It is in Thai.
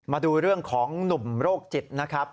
มาดูเรื่องของหนุ่มโรคจิตนะครับ